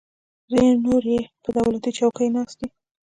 ځینې نور یې پر دولتي چوکیو ناست دي.